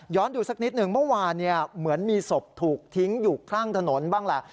ดูสักนิดหนึ่งเมื่อวานเหมือนมีศพถูกทิ้งอยู่ข้างถนนบ้างแหละ